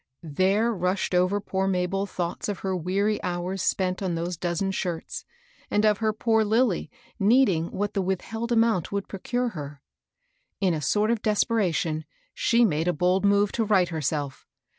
There rushed over poor Mabel thoughts of her weary hours spent on those dozen shirts, and of her poor Lilly needing what the withheld amount would procure her. In a sort of desperation, she made a bold move to right herself.